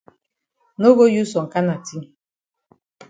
No go use some kana tin.